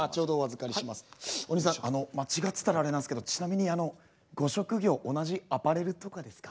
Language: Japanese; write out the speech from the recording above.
お兄さんあの間違ってたらあれなんですけどちなみにご職業同じアパレルとかですか？